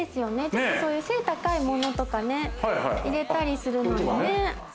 ちょっとそういう背高いものとかね入れたりするのにね。